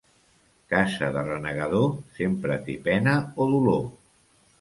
Casa de renegador, sempre té pena o dolor.